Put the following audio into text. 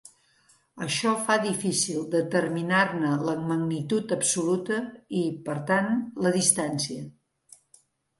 Això fa difícil determinar-ne la magnitud absoluta i, per tant, la distància.